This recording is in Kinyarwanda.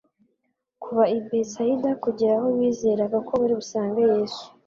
Kuva i Betsaida kugera aho bizeraga ko bari busange Yesu,